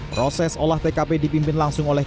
proses olah tkp dipimpin langsung oleh